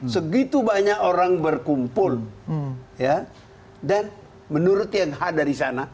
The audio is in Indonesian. segitu banyak orang berkumpul ya dan menurut yang ada di sana